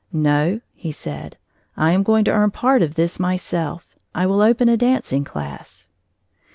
"No," he said, "I am going to earn part of this myself. I will open a dancing class."